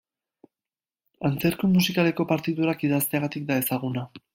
Antzerki musikaleko partiturak idazteagatik da ezaguna.